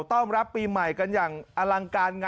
ต้อนรับปีใหม่กันอย่างอลังการ